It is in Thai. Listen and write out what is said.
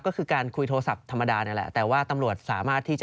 ก็คือการคุยโทรศัพท์ธรรมดานี่แหละ